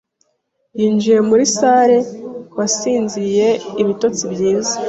yinjiye muri sale wasinziriye ibitotsi byiza